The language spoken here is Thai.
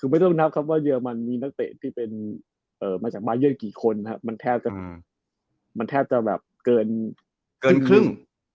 ไม่ต้องนับว่าเยอร์มันมีนักเตะที่มาจากบาร์เยือนกี่คนมันแทบจะเกินครึ่ง